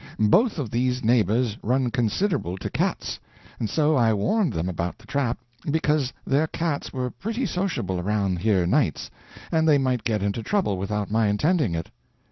Both of these neighbors run considerable to cats, and so I warned them about the trap, because their cats were pretty sociable around here nights, and they might get into trouble without my intending it.